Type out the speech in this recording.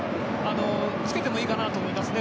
つけてもいいかなと思いますね。